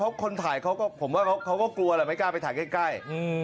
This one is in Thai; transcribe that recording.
เพราะคนถ่ายเขาก็ผมว่าเขาก็กลัวแหละไม่กล้าไปถ่ายใกล้